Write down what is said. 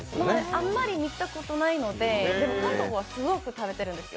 あんまり見たことないのででも韓国はすごく食べてるんですよ。